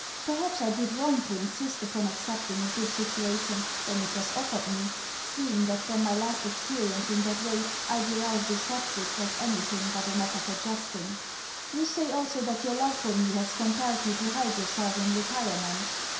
Perhaps I did wrong to insist upon accepting a good situation when it was offered me, seeing that from my last experience in that way I derived a shock which was anything but a matter for jesting. You say also that your love for me has compelled you to hide yourself in retirement.